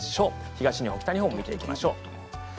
東日本、北日本も見ていきます。